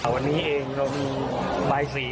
วันนี้เองเราถึงบ่ายศรี